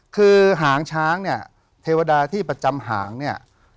คือหางช้างเนี่ยเทวดาที่ประจำหางเนี่ย